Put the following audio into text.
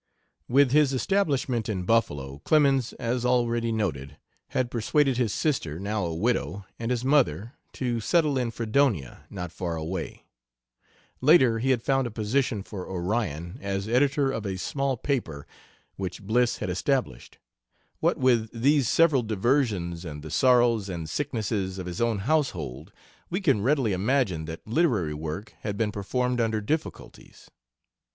With his establishment in Buffalo, Clemens, as already noted, had persuaded his sister, now a widow, and his mother, to settle in Fredonia, not far away. Later, he had found a position for Orion, as editor of a small paper which Bliss had established. What with these several diversions and the sorrows and sicknesses of his own household, we can readily imagine that literary work had been performed under difficulties.